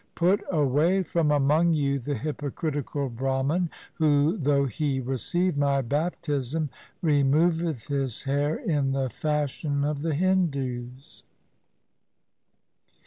Put away from among you the hypocritical Brahman who, though he receive my baptism, removeth his hair in the fashion of the Hindus.